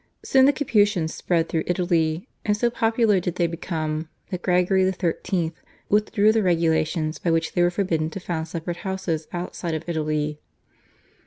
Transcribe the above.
Soon the Capuchins spread through Italy, and so popular did they become that Gregory XIII. withdrew the regulations by which they were forbidden to found separate houses outside of Italy.